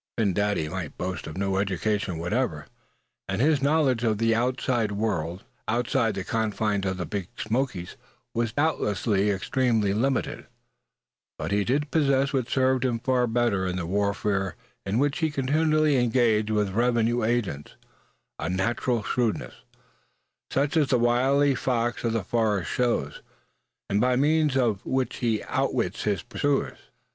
Phin Dady might boast of no education whatever; and his knowledge of the world, outside the confines of the Big Smokies, was doubtless extremely limited; but he did possess what served him far better in the warfare in which he was continually engaged with revenue agents a natural shrewdness such as the wily fox of the forest shows, and by means of which he outwits his pursuers.